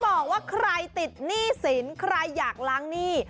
บอกว่าใครติดหนี้สินใครอยากล้างหนี้